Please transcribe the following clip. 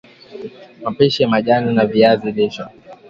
Mapishi ya majani ya viazi lishe